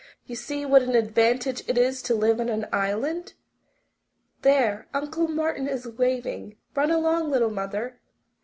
You see what an advantage it is to live on an island! There, Uncle Martin is waving. Run along, little mother."